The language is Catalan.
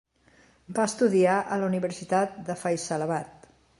Va estudiar a la Universitat de Faisalabad.